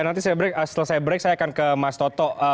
nanti setelah saya break saya akan ke mas toto